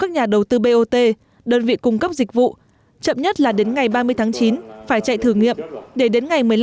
người ta không lùi đâu